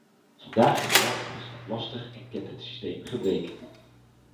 Vandaag de dag is dat lastig en kent het systeem gebreken.